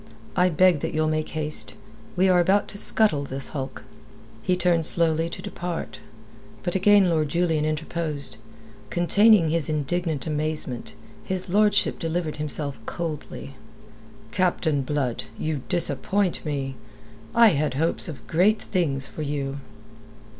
I beg that you'll make haste. We are about to scuttle this hulk." He turned slowly to depart. But again Lord Julian interposed. Containing his indignant amazement, his lordship delivered himself coldly. "Captain Blood, you disappoint me. I had hopes of great things for you."